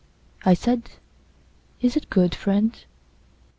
I said, "Is it good, friend?"